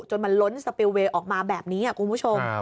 จนมันล้นสปิลเวย์ออกมาแบบนี้คุณผู้ชม